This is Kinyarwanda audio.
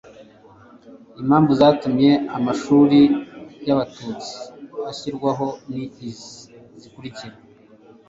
impamvu zatumye amashuri y'abatutsi ashyirwaho ni izi zikurikira